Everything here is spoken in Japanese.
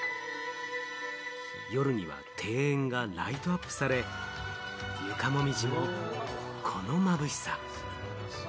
夜には庭園がライトアップされ、床もみじも、この眩しさ。